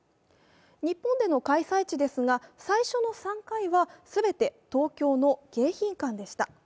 日本での開催地ですが、最初の３回は全て東京の迎賓館でした。